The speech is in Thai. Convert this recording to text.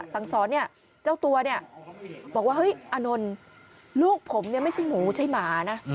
สั่งสอนเนี่ยเจ้าตัวเนี่ยบอกว่าเฮ้ยอานนท์ลูกผมเนี่ยไม่ใช่หมูใช่หมานะ